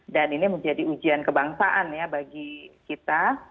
dan ini menjadi ujian kebangsaan ya bagi kita